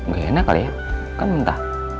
gak enak kali ya kan mentah